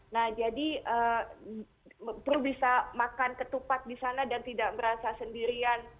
nah jadi perlu bisa makan ketupat di sana dan tidak merasa sendirian